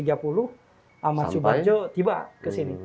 ahmad subarjo tiba kesini